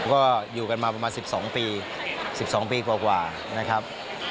ก็อยู่กันมาประมาณ๑๒ปี๑๒ปีกว่านะครับ